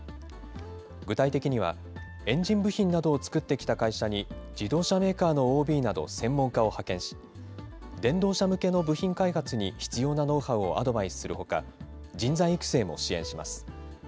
具体的には、エンジン部品などを作ってきた会社に、自動車メーカーのＯＢなど専門家を派遣し、電動車向けの部品開発に必要なノウハウをアドバイスするほか、人材育成も支援します。